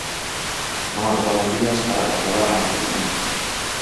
Non atopamos vías para trasladar a nosa opinión.